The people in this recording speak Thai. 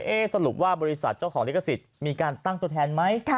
สรุปว่าบริษัทเจ้าของลิขสิทธิ์มีการตั้งตัวแทนไหม